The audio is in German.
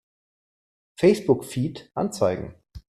Facebook-Feed anzeigen!